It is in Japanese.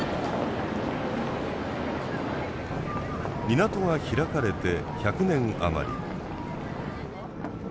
港が開かれて１００年余り。